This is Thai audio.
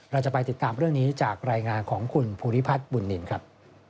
เราจะไปติดตามเรื่องนี้จากรายงานของคุณภูริพัฒน์บุญนินครับ